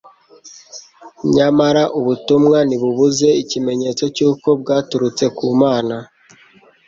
Nyamara ubutumwa ntibubuze ikimenyetso cy'uko bwaturutse ku Mana.